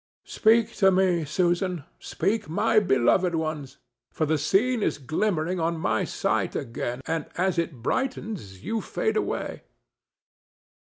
Speak to me, Susan; speak, my beloved ones; for the scene is glimmering on my sight again, and as it brightens you fade away.